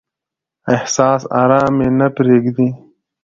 احساس ارام مې نه پریږدي.